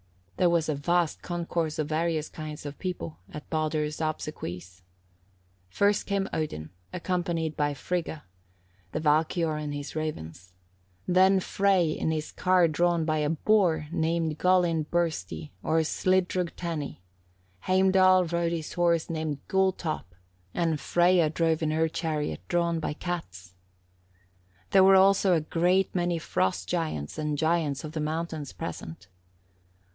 There was a vast concourse of various kinds of people at Baldur's obsequies. First came Odin, accompanied by Frigga, the Valkyrjor and his ravens; then Frey in his car drawn by a boar named Gullinbursti or Slidrugtanni; Heimdall rode his horse called Gulltopp, and Freyja drove in her chariot drawn by cats. There were also a great many Frost giants and giants of the mountains present.